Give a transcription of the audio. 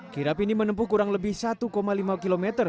kirap ini menempuh kurang lebih satu lima km